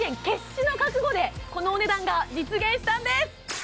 決死の覚悟でこのお値段が実現したんです